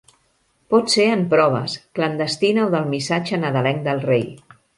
Pot ser en proves, clandestina o del missatge nadalenc del Rei.